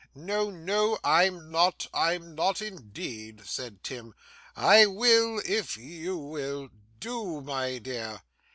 'No, no, I'm not. I'm not indeed,' said Tim. 'I will, if you will. Do, my dear!